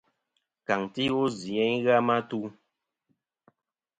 Kàŋtɨ iwo zɨ a i ghɨ a ma tu.